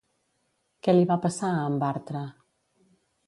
Què li va passar a en Bartra?